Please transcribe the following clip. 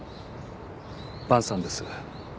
伴さんです。